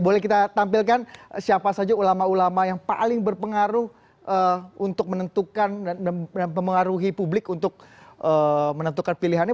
boleh kita tampilkan siapa saja ulama ulama yang paling berpengaruh untuk menentukan dan mempengaruhi publik untuk menentukan pilihannya